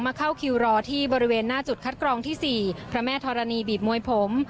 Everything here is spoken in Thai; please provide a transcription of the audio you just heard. เข้าคิวรอที่บริเวณหน้าจุดคัดกรองที่๔พระแม่ธรณีบีบมวยผม